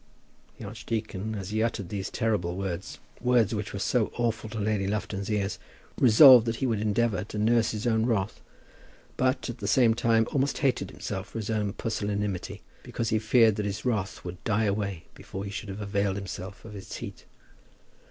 The archdeacon, as he uttered these terrible words, words which were awful to Lady Lufton's ears, resolved that he would endeavour to nurse his own wrath; but, at the same time, almost hated himself for his own pusillanimity, because he feared that his wrath would die away before he should have availed himself of its heat.